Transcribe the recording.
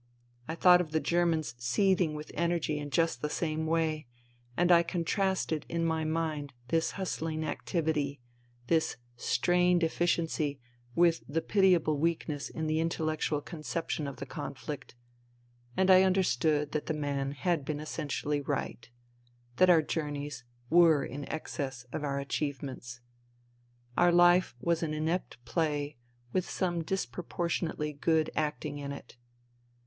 I thought of the Germans seething with energy in just the same way ; and I contrasted in my mind this hustHng activity, this strained effi ciency with the pitiable weakness in the intellectual conception of the conflict, and I understood that the man had been essentially right, that our journeys were in excess of our achievements. Our life was an inept play with some disproportionately good acting in it.